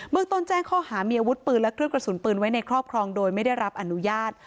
เมืองต้นแจ้งข้อหามีอาวุธปืนและเครื่องกระสุนปืนไว้ในครอบครองโดยไม่ได้รับอนุญาต